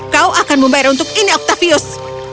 kau akan membayar untuk ini octavius